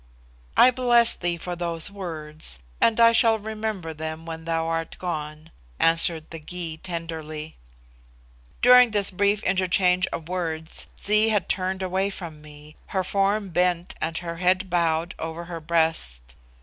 '" "I bless thee for those words, and I shall remember them when thou art gone," answered the Gy, tenderly. During this brief interchange of words, Zee had turned away from me, her form bent and her head bowed over her breast.